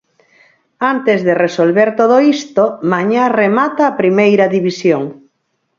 Antes de resolver todo isto, mañá remata a Primeira División.